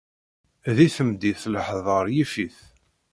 Di temdint leḥder yif-it.